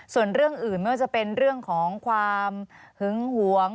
ส่วนเรื่องอื่นไม่ว่าจะเป็นเรื่องของความหึงหวง